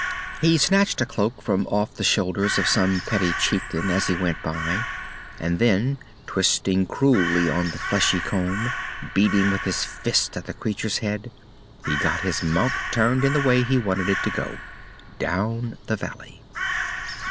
He snatched a cloak from off the shoulders of some petty chieftain as he went by, and then, twisting cruelly on the fleshy comb, beating with his fist at the creature's head, he got his mount turned in the way he wanted it to go, down the valley.